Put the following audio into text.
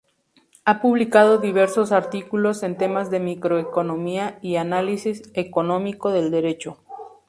Ha publicado diversos artículos en temas de microeconomía y análisis económico del derecho.